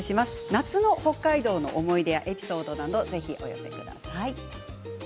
夏の北海道の思い出やエピソードなどぜひお寄せください。